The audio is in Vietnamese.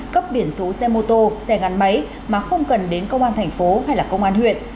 cấp biển số xe mô tô xe gắn máy mà không cần đến công an thành phố hay là công an huyện